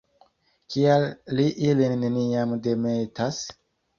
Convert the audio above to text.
Kial li ilin neniam demetas?